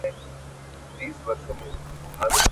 راشه اوس ساه مې په وتو شوه ته به کله راځې